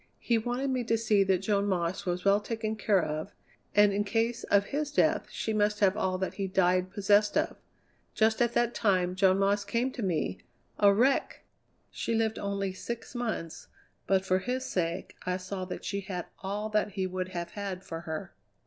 He wanted me to see that Joan Moss was well taken care of, and in case of his death she must have all that he died possessed of. Just at that time Joan Moss came to me, a wreck! She lived only six months, but for his sake I saw that she had all that he would have had for her.